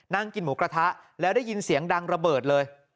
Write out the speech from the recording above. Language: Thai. นั่งกินหมูกระทะแล้วได้ยินเสียงดังระเบิดเลย